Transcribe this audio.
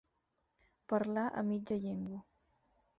Parlar a mitja llengua.